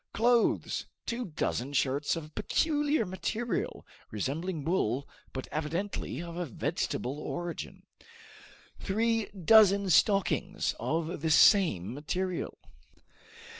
Clothes: 2 dozen shirts of a peculiar material resembling wool, but evidently of a vegetable origin; 3 dozen stockings of the same material.